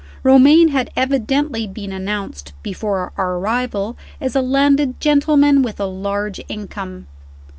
Romayne had evidently been announced, before our arrival, as a landed gentleman with a large income.